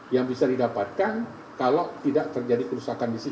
yang bisa didapatkan kalau tidak terjadi kerusakan di sini